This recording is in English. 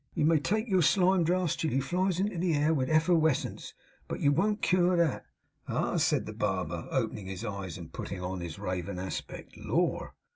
You may take your slime drafts till you flies into the air with efferwescence; but you won't cure that.' 'Ah!' said the barber, opening his eyes, and putting on his raven aspect; 'Lor!